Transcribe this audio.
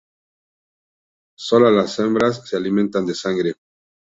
Sólo las hembras se alimentan de sangre.